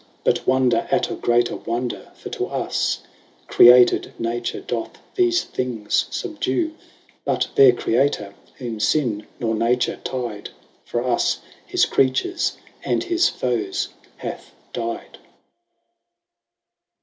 10 But wonder at a greater wonder, for to us Created nature doth thefe things fubdue, But their Creator, whom fin, nor nature tyed, For us, his Creatures, and his foes, hath dyed.